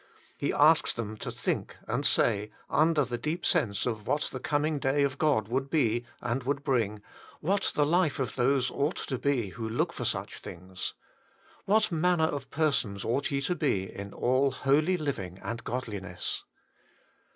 And he asks them to think and say, under the deep sense of what the coming of the day of God would be and would bring, what the life of those ought to be who look for such things :' What manner of person ought ye to be in all holy living and godliness